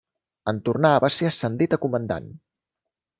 En tornar va ser ascendit a comandant.